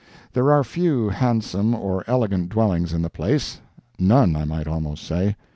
There are few handsome or elegant dwellings in the place—none, I might almost say.